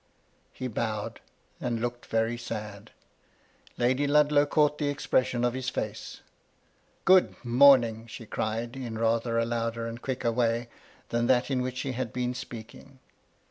He bowed, and looked veiy sad. Lady Ludlow caught the expression of his face. " Good morning !" she cried, in rather a louder and quicker way than that in which she had been speaking.